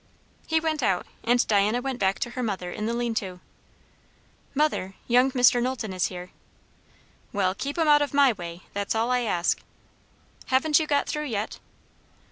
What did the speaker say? He went out, and Diana went back to her mother in the lean to. "Mother, young Mr. Knowlton is here." "Well, keep him out o' my way; that's all I ask." "Haven't you got through yet?"